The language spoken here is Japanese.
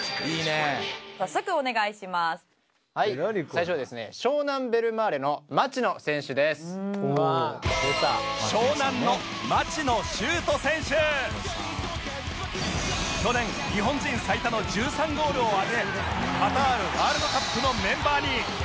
最初はですね去年日本人最多の１３ゴールを挙げカタールワールドカップのメンバーに